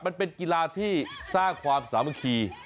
มันเป็นกีฬาที่สร้างความสามัคคี